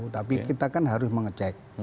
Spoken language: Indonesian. tapi kita kan harus mengecek